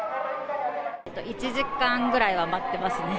１時間ぐらいは待ってますね。